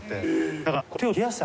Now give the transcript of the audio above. だから。